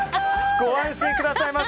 ご安心くださいませ。